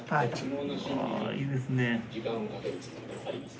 ・あいいですね。